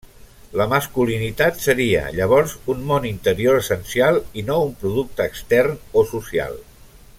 La masculinitat seria, llavors, un món interior essencial i no un producte extern o social.